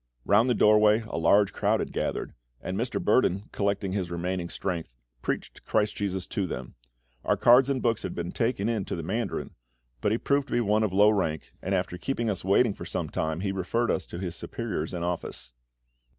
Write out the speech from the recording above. Round the doorway a large crowd had gathered; and Mr. Burdon, collecting his remaining strength, preached CHRIST JESUS to them. Our cards and books had been taken in to the mandarin, but he proved to be one of low rank, and after keeping us waiting for some time he referred us to his superiors in office.